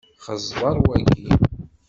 Xeẓẓeṛ wayi.